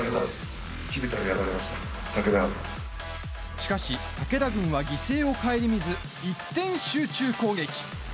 しかし、武田軍は犠牲を顧みず一点集中攻撃。